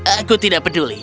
aku tidak peduli